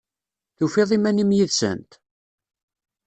Tufiḍ iman-im yid-sent?